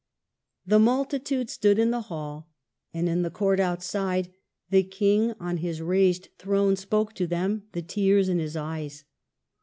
The multitude stood in the hall and in the court outside; the King on his raised throne spoke to them, the tears in his eyes.